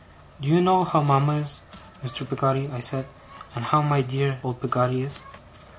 'Do you know how mama is, Mr. Peggotty?' I said. 'And how my dear, dear, old Peggotty is?